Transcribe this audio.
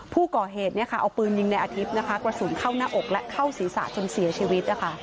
ผู้ก่อเหตุเอาปืนยิงในอาทิตย์นะคะกระสุนเข้าหน้าอกและเข้าศีรษะจนเสียชีวิต